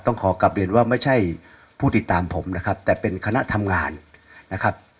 ขอกลับเรียนว่าไม่ใช่ผู้ติดตามผมนะครับแต่เป็นคณะทำงานนะครับ